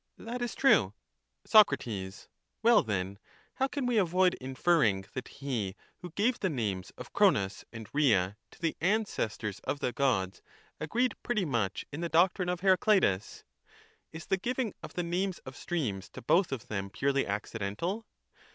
That is true. "'^'^^'°' GEN— Soc. Well, then, how can we avoid inferring that he who other gave the names of Cronos and Rhea to the ancestors of the "fCods. Gods, agreed pretty much in the doctrine of Heracleitus? Is the giving of the names of streams to both of them purely accidental?